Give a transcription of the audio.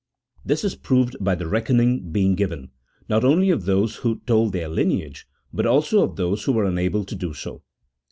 This is proved by the reckoning being given, not only of those who told their lineage, but also of those who were unable to do so.